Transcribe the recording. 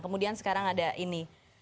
kemudian sekarang ada ini